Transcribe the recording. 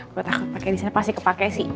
buat aku pakai disana pasti kepake sih